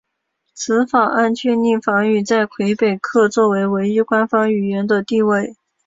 此法案确立法语在魁北克作为唯一官方语言的地位。